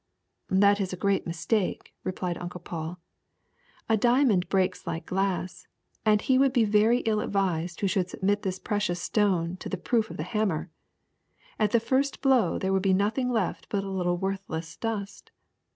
'^ '^That is a great mistake," replied Uncle Paul. A diamond breaks like glass, and he would be very ill advised who should submit the precious stone to the proof of the hammer. At the first blow there would be nothing left but a little worthless dust.